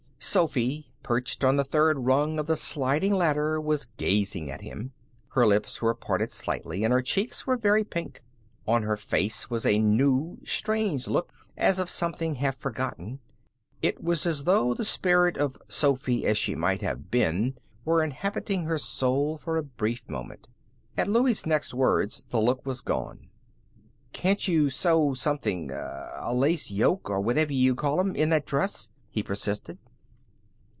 Sophy, perched on the third rung of the sliding ladder, was gazing at him. Her lips were parted slightly, and her cheeks were very pink. On her face was a new, strange look, as of something half forgotten. It was as though the spirit of Sophy as she might have been were inhabiting her soul for a brief moment. At Louie's next words the look was gone. "Can't you sew something a lace yoke or whatever you call 'em in that dress?" he persisted.